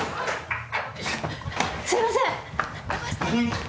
すいません！